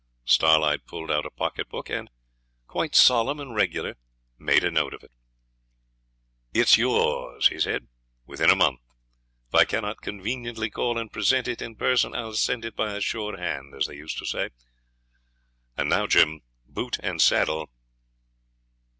Starlight pulled out a pocket book, and, quite solemn and regular, made a note of it. 'It's yours,' he said, 'within a month. If I cannot conveniently call and present it in person, I'll send it by a sure hand, as they used to say; and now, Jim, boot and saddle.'